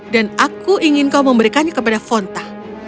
dan aku ingin kau memberikannya kepada fonta